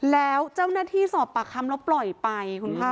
แล้วเจ้าหน้าที่สอบปากคำแล้วปล่อยไปคุณภาค